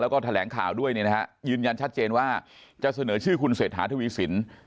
แล้วก็แถลงข่าวด้วยเนี่ยนะฮะยืนยันชัดเจนว่าจะเสนอชื่อคุณเศรษฐาทวีสิน